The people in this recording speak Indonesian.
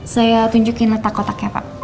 saya tunjukin letak kotaknya pak